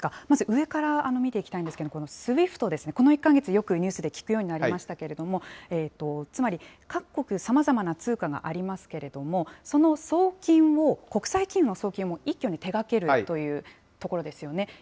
まず、上から見ていきたいんですけれども、このＳＷＩＦＴですね、この１か月、ニュースで聞くようになりましたけれども、つまり、各国、さまざまな通貨がありますけれども、その送金を国際金融の送金を一挙に手がけるというところですよね。